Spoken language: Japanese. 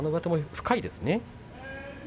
深いですね。